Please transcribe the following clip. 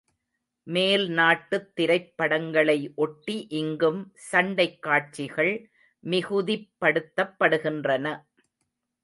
மேல் நாட்டுத் திரைப்படங்களை ஒட்டி இங்கும் சண்டைக் காட்சிகள் மிகுதிப்படுத்தப்படுகின்றன.